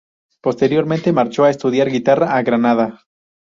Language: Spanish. Posteriormente marchó a estudiar guitarra a Granada.